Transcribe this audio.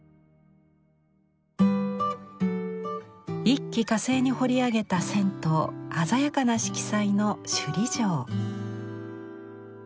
一気かせいに彫り上げた線と鮮やかな色彩の首里城。